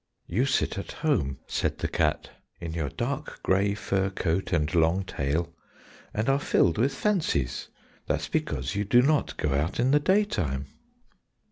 "You sit at home," said the cat, "in your dark grey fur coat and long tail, and are filled with fancies, that's because you do not go out in the daytime."